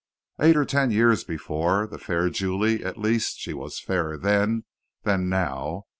Eight or ten years before, the fair Julie at least, she was fairer then than now!